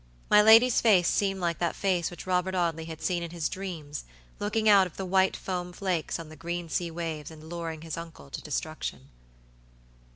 My lady's face seemed like that face which Robert Audley had seen in his dreams looking out of the white foam flakes on the green sea waves and luring his uncle to destruction.